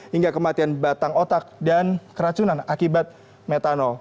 hingga kematian batang otak dan keracunan akibat metano